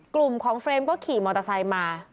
กลุ่มของเฟรมก็ขี่มอเตอร์ไซค์มา